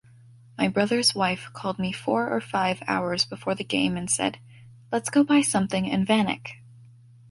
My brother’s wife called me four or five hours before the game and said, "Let's go buy something in Vanak.